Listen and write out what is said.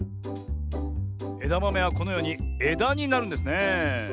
えだまめはこのようにえだになるんですねえ。